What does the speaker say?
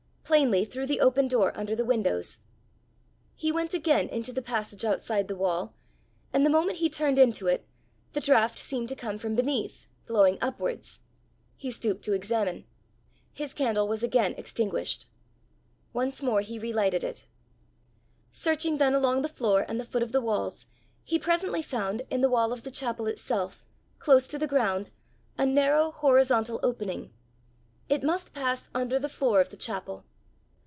plainly through the open door under the windows. He went again into the passage outside the wall, and the moment he turned into it, the draught seemed to come from beneath, blowing upwards. He stooped to examine; his candle was again extinguished. Once more he relighted it. Searching then along the floor and the foot of the walls, he presently found, in the wall of the chapel itself, close to the ground, a narrow horizontal opening: it must pass under the floor of the chapel!